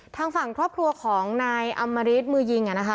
ทางฝั่งครอบครัวของนายอำมริตมือยิงนะคะ